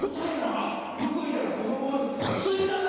あっよくみたらこのボールスイカだ！